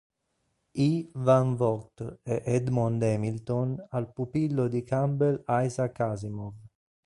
E. Van Vogt e Edmond Hamilton al pupillo di Campbell Isaac Asimov.